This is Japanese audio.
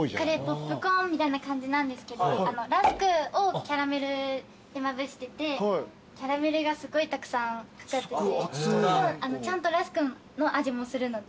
ポップコーンみたいな感じなんですけどラスクをキャラメルでまぶしててキャラメルすごいたくさん使っててちゃんとラスクの味もするので。